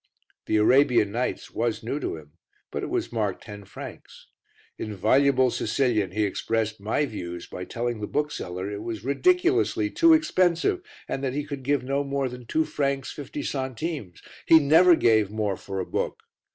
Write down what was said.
The Arabian Nights was new to him, but it was marked ten francs. In voluble Sicilian he expressed my views by telling the bookseller it was ridiculously too expensive and that he could give no more than two francs fifty centimes he never gave more for a book.